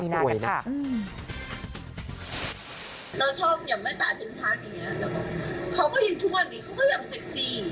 เราชอบเนี่ยแม่ตายเพลินพักอย่างเงี้ยเขาก็ยังทุกวันนี้เขาก็ยังเซ็กซี่